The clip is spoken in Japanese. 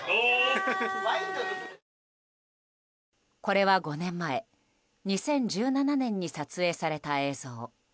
これは、５年前２０１７年に撮影された映像。